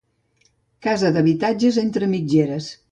Casa d'habitatges entre mitgeres.